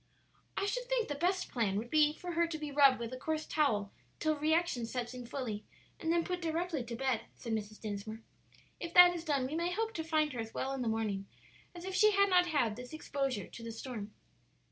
"I should think the best plan would be for her to be rubbed with a coarse towel till reaction sets in fully and then put directly to bed," said Mrs. Dinsmore. "If that is done we may hope to find her as well in the morning as if she had not had this exposure to the storm."